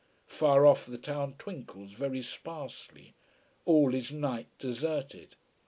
Far off the town twinkles very sparsely. All is night deserted.